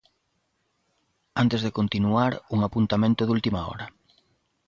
Antes de continuar un apuntamento de última hora.